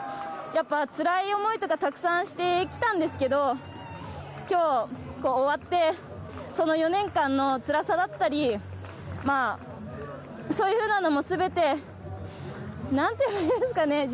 やっぱりつらい思いとかたくさんしてきたんですけど今日終わってその４年間のつらさだったりそういうふうなのもすべてなんと言うんですかね。